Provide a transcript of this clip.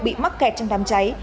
bị mắc kẹt trong đám cháy